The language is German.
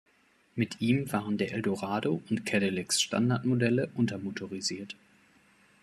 Mit ihm waren der Eldorado und Cadillacs Standardmodelle untermotorisiert.